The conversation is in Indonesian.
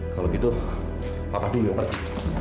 kalau gitu papa dulu pergi